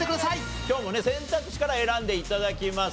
今日もね選択肢から選んで頂きます。